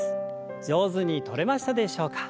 上手にとれましたでしょうか。